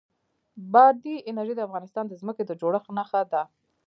بادي انرژي د افغانستان د ځمکې د جوړښت نښه ده.